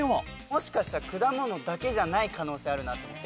もしかしたら果物だけじゃない可能性あるなと思って。